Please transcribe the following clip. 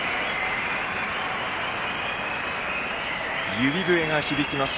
指笛が響きます